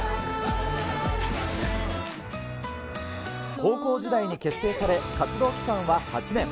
高校時代に結成され、活動期間は８年。